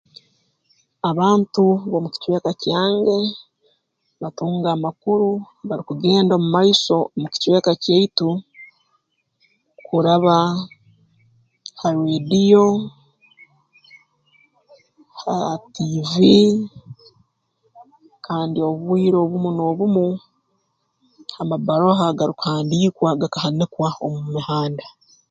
Abantu b'omu kicweka kyange batunga amakuru garukugenda omu maiso mu kicweka kyaitu kuraba ha rriidiyo ha tiivi kandi obwire obumu n'obumu amabbaroha agarukuhandiikwa gakahanikwa omu mihanda